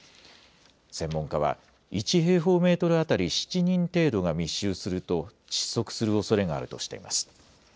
専門家は、１平方メートル当たり７人程度が密集すると、窒息するおそれがあるとしています。